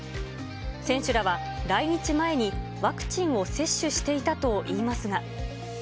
選手らは来日前にワクチンを接種していたといいますが。